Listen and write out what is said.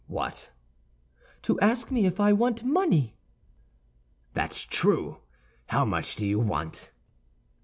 "What?" "To ask me if I want money." "That's true. How much do you want?"